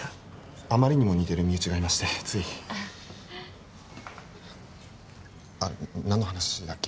あまりにも似てる身内がいましてついあっ何の話だっけ？